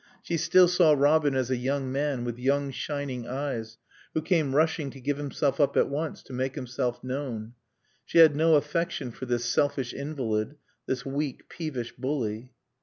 She still saw Robin as a young man, with young, shining eyes, who came rushing to give himself up at once, to make himself known. She had no affection for this selfish invalid, this weak, peevish bully.